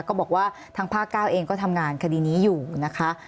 ก็บอกว่าทางภาค๙เองก็ทำงานคดีนี้อยู่นะคะ